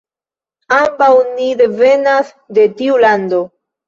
Ambaŭ ni devenas de tiu lando.